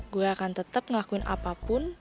gue akan tetap ngelakuin apapun